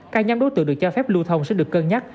các nhóm đối tượng được cho phép lưu thông sẽ được cân nhắc